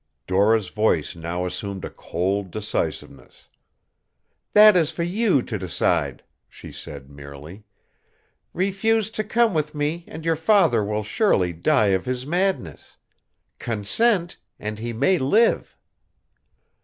Dora's voice now assumed a cold decisiveness. "That is for you to decide," she said merely. "Refuse to come with me and your father will surely die of his madness. Consent and he may live."